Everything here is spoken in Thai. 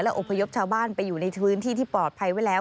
อบพยพชาวบ้านไปอยู่ในพื้นที่ที่ปลอดภัยไว้แล้ว